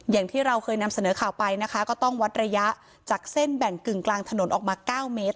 อย่างที่เราเคยนำเสนอข่าวไปนะคะก็ต้องวัดระยะจากเส้นแบ่งกึ่งกลางถนนออกมา๙เมตร